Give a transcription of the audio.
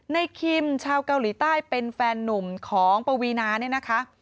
คิมชาวเกาหลีใต้เป็นแฟนนุ่มของปวีนาเนี่ยนะคะ